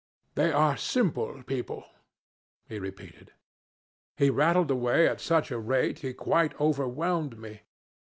They are simple people,' he repeated. He rattled away at such a rate he quite overwhelmed me.